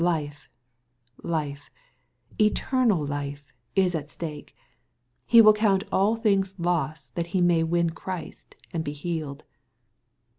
Life, life, eternal life is at stake. He will count all things loss that he may win Christ, and be healed.